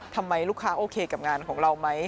ทำไมลูกค้าโอเคกับงานของเราไหม